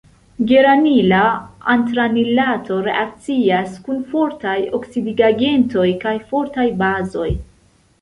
Geranila antranilato reakcias kun fortaj oksidigagentoj kaj fortaj bazoj.